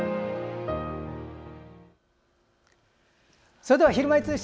それでは「ひるまえ通信」